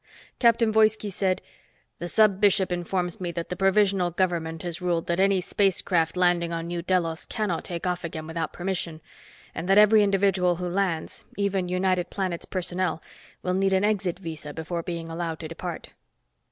Captain Woiski said, "The Sub Bishop informs me that the provisional government has ruled that any spacecraft landing on New Delos cannot take off again without permission and that every individual who lands, even United Planets personnel, will need an exit visa before being allowed to depart."